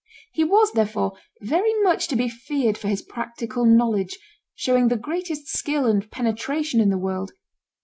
He was, therefore, very much to be feared for his practical knowledge, showing the greatest skill and penetration in the world.